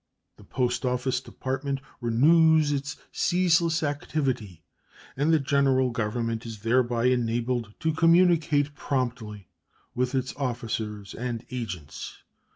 The Post Office Department renews its ceaseless activity, and the General Government is thereby enabled to communicate promptly with its officers and agents.